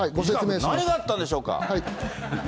何があったんでしょうか。